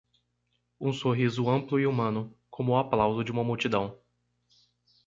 um sorriso amplo e humano, como o aplauso de uma multidão.